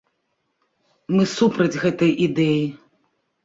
Мы супраць гэтай ідэі.